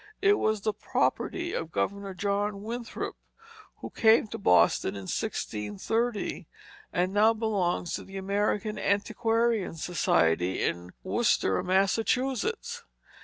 It was the property of Governor John Winthrop, who came to Boston in 1630, and now belongs to the American Antiquarian Society, in Worcester, Massachusetts.